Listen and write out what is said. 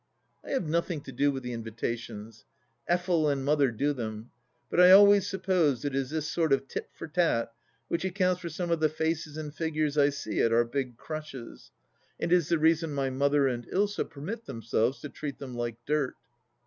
I have nothing to do with the invitations. Effel and Mother do them. But I always suppose it is this sort of tit for tat which accounts for some of the faces and figures I see at our big crushes, and is the reason my Mother and Ilsa permit themselves to treat them like dirt.